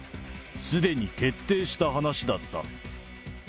すでに決定した話だった。